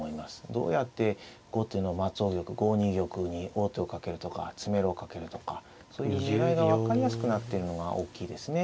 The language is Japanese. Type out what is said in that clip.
どうやって後手の松尾玉５二玉に王手をかけるとか詰めろをかけるとかそういう狙いが分かりやすくなってるのが大きいですね。